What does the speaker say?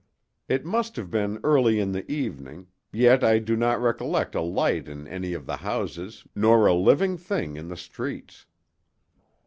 It must have been early in the evening, yet I do not recollect a light in any of the houses nor a living thing in the streets.